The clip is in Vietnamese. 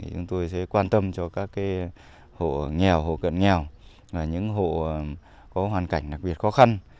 chúng tôi sẽ quan tâm cho các hộ nghèo hộ cận nghèo những hộ có hoàn cảnh đặc biệt khó khăn